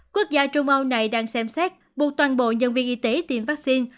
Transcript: quốc gia trung âu này đang xem xét buộc toàn bộ nhân viên y tế tiêm vaccine